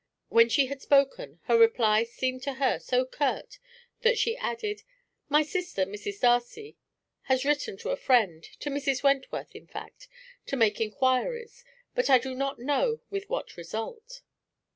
When she had spoken, her reply seemed to her so curt that she added: "My sister, Mrs. Darcy, has written to a friend to Mrs. Wentworth, in fact, to make inquiries, but I do not know with what result."